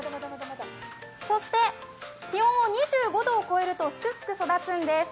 そして気温が２５度を超えるとすくすく育つんです。